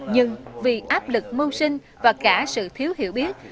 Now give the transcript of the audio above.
nhưng vì áp lực môn sinh và cả sự thiếu hiểu biết